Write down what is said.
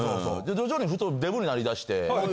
徐々にデブになりだして。